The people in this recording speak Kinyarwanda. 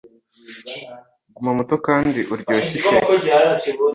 guma muto kandi uryoshye iteka